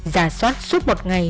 giả soát suốt một ngày